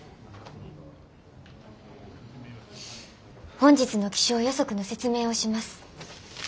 本日の気象予測の説明をします。